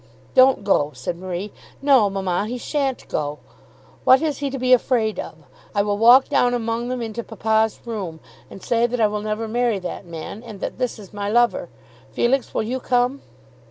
"Don't go," said Marie. "No, mamma, he shan't go. What has he to be afraid of? I will walk down among them into papa's room, and say that I will never marry that man, and that this is my lover. Felix, will you come?"